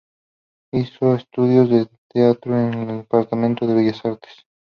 Hizo estudios de teatro en el Departamento de Bellas Artes.